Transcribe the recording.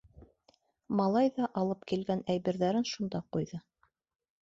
Малай ҙа алып килгән әйберҙәрен шунда ҡуйҙы.